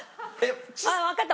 あっわかった！